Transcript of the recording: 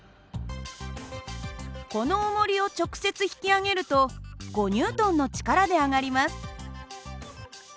このおもりを直接引き上げると５Ｎの力で上がります。